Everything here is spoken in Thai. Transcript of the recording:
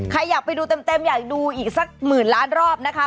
อยากไปดูเต็มอยากดูอีกสักหมื่นล้านรอบนะคะ